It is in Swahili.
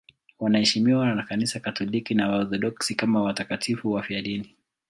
Wanaheshimiwa na Kanisa Katoliki na Waorthodoksi kama watakatifu wafiadini.